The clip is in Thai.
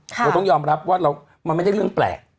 เราต้องยอมรับว่ามันไม่ได้เรื่องแปลก